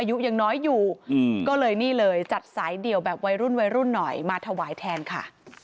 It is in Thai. อายุยังน้อยอยู่ก็เลยนี่เลยจัดสายเดี่ยวแบบวัยรุ่นวัยรุ่นหน่อยมาถวายแทนค่ะ